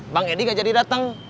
bang edi nggak jadi dateng